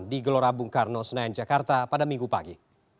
di gelora bung karno senayan jakarta pada minggu pagi